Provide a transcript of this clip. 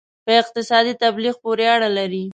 په اقتصادي تبلیغ پورې اړه لري.